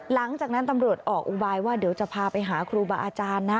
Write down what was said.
หลังจากนั้นตำรวจออกอุบายว่าเดี๋ยวจะพาไปหาครูบาอาจารย์นะ